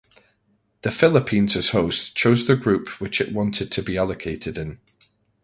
The Philippines as host chose the group which it wanted to be allocated in.